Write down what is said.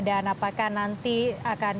dan apakah nanti akan